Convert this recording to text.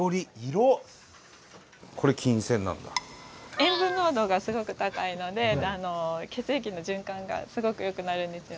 塩分濃度がすごく高いので血液の循環がすごく良くなるんですよ。